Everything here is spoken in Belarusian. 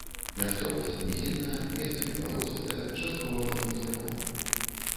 Мясцовасць нізінная, месцамі балоцістая, часткова пад хмызняком.